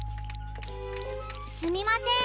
すみません。